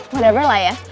gak ada berlah ya